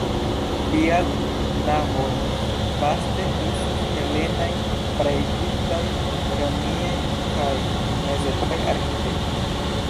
Tial navojn vaste uzis helenaj, pra-egiptaj, romiaj kaj mezepokaj arkitektoj.